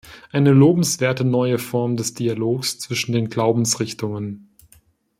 Eine lobenswerte neue Form des Dialogs zwischen den Glaubensrichtungen!